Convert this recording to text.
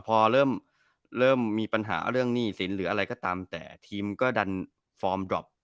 พอเริ่มเริ่มมีปัญหาเรื่องหนี้สินหรืออะไรก็ตามแต่ทีมก็ดันฟอร์มดรอป